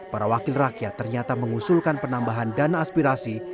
para wakil rakyat ternyata mengusulkan penambahan dana aspirasi